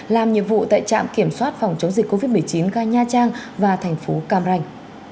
làm nhiệm vụ tại trạm kiểm soát phòng chống dịch covid một mươi chín ga nha trang và thành phố cam ranh